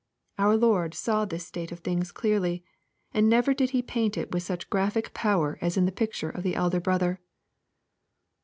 Our Lord saw this state of things clearly ; and never did He paint it with such graphic power as in the picture of the " elder brother."